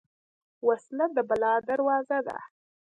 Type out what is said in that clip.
وسله د بلا دروازه ده